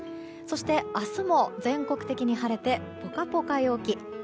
そして、明日も全国的に晴れてポカポカ陽気。